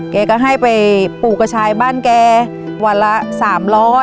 แกก็ให้ไปปลูกกระชายบ้านแกวันละ๓๐๐